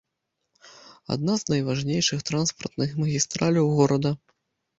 Адна з найважнейшых транспартных магістраляў горада.